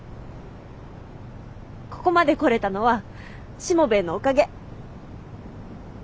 ここまで来れたのはしもべえのおかげ。